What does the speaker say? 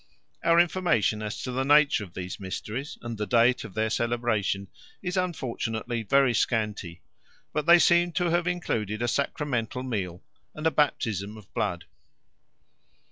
Our information as to the nature of these mysteries and the date of their celebration is unfortunately very scanty, but they seem to have included a sacramental meal and a baptism of blood.